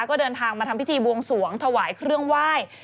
ก็เดินทางมาทำพิธีบวงสวงถวายเครื่องไหว้